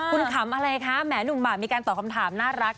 คุณขำอะไรคะแหมหนุ่มหมากมีการตอบคำถามน่ารัก